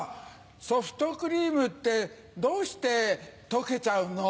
ソフトクリームってどうして溶けちゃうの？